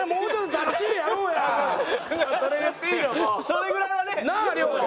それぐらいはね。